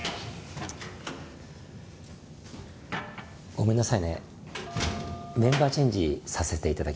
ごめんなさいねメンバーチェンジさせて頂きます。